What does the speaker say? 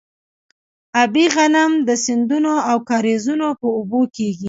ابي غنم د سیندونو او کاریزونو په اوبو کیږي.